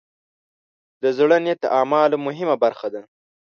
د زړۀ نیت د اعمالو مهمه برخه ده.